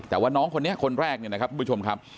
แต่ว่าน้องคนนี้คนแรกเนี่ยนะครับทุกผู้ชมครับ